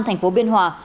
thành phố biên hòa